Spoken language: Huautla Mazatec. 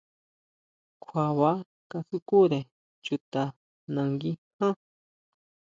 Kjua baa kasukure chuta nangui ján.